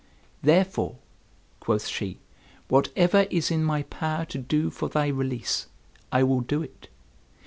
Therefore," quoth she, "whatever is in my power to do for thy release, I will do it.